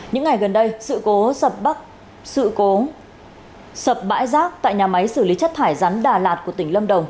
những ngày gần đây sự cố sập bãi rác tại nhà máy xử lý chất thải rắn đà lạt của tỉnh lâm đồng